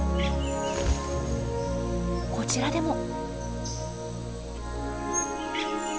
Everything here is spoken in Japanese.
こちらでも。